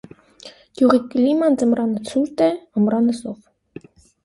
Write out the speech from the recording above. Գյուղի կլիման ձմռանը ցուրտ է, ամռանը՝ զով։